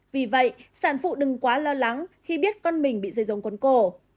vì vậy sản phụ đừng quá lo lắng khi biết con mình bị dây rồng cuốn cổ